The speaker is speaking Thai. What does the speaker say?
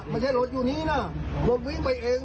ไม่ใช่รถอยู่นี้นะรถวิ่งไปเอง